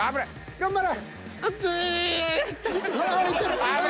頑張れ。